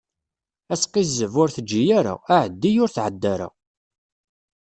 Asqizzeb, ur teǧǧi ara; aεeddi, ur tεedda ara.